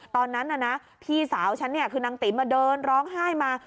ตอนนั้นพี่สาวฉันนางติ๋มมาเดินร้องไห้มา